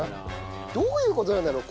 どういう事なんだろう？